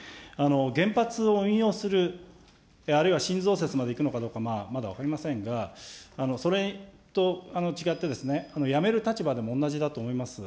原発を運用する、あるいは新増設までいくのかどうかまだ分かりませんが、それと違ってやめる立場でも同じだと思います。